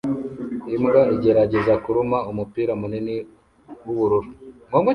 Imbwa igerageza kuruma umupira munini w'ubururu